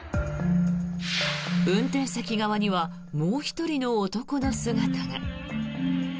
運転席側にはもう１人の男の姿が。